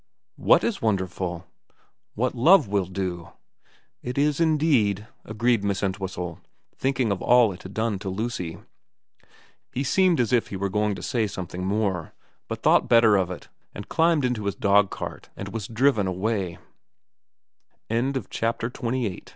4 What is wonderful 1 '' What love will do.' ' It is indeed,' agreed Miss Entwhistle, thinking of all it had done to Lucy. He seemed as if he were going to say something more, but thought better of it and climbed into his dogcart and was driven away.